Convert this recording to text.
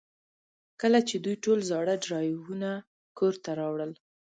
کله چې دوی ټول زاړه ډرایوونه کور ته راوړل